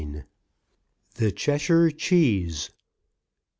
THE CHESHIRE CHEESE.